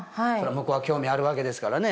向こうは興味あるわけですからね。